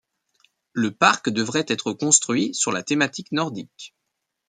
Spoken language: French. Le park devrait être construit sur la thématique nordique.